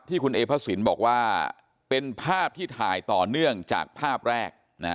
คุณเอพระสินบอกว่าเป็นภาพที่ถ่ายต่อเนื่องจากภาพแรก